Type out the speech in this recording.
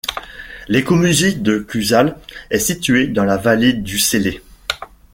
L' écomusée de Cuzals est situé dans la vallée du Célé.